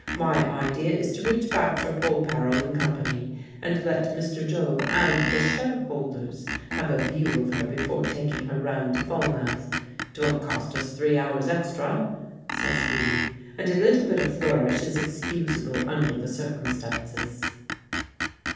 My idea is to reach back for Polperro in company, and let Mr. Job and the shareholders have a view of her before taking her round to Falmouth. It won't cost us three hours extra," says he, "and a little bit of a flourish is excusable under the circumstances."